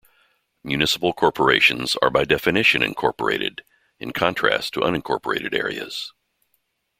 Municipal corporations are by definition incorporated, in contrast to unincorporated areas.